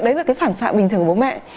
đấy là cái phản xạ bình thường của bố mẹ